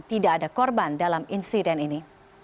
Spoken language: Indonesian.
tidak ada korban dalam insiden ini